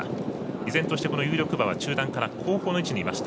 依然として有力馬は中団から後方の位置にいました。